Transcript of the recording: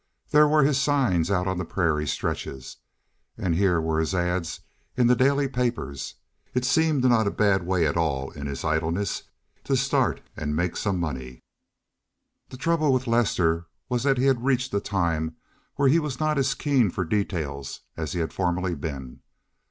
There were his signs out on the prairie stretches, and here were his ads in the daily papers. It seemed not a bad way at all in his idleness to start and make some money. The trouble with Lester was that he had reached the time where he was not as keen for details as he had formerly been.